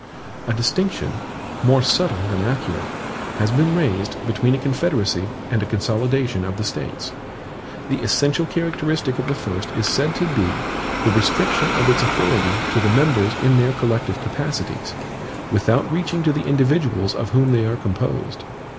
A distinction, more subtle than accurate, has been raised between a CONFEDERACY and a CONSOLIDATION of the States. The essential characteristic of the first is said to be, the restriction of its authority to the members in their collective capacities, without reaching to the individuals of whom they are composed.